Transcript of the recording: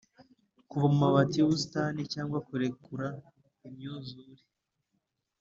kuva mumabati yubusitani, cyangwa kurekura imyuzure?